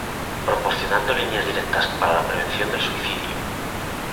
Proporcionando líneas directas para la prevención del suicidio.